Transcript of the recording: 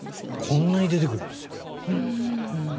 こんなに出てくるんですよ。